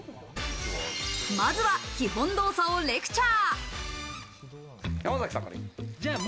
まずは基本動作をレクチャー。